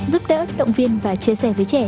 giúp đỡ động viên và chia sẻ với trẻ